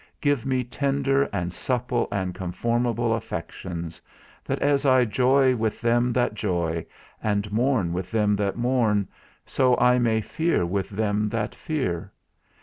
Give me tender and supple and conformable affections, that as I joy with them that joy, and mourn with them that mourn, so I may fear with them that fear.